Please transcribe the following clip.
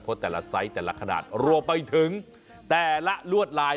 เพราะแต่ละไซส์แต่ละขนาดรวมไปถึงแต่ละลวดลาย